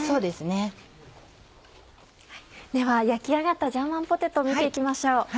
では焼き上がったジャーマンポテト見て行きましょう。